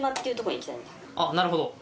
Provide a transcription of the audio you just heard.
あっなるほど。